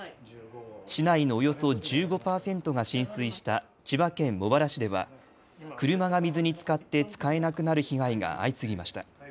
市内のおよそ１５％が浸水した千葉県茂原市では車が水につかって使えなくなる被害が相次ぎました。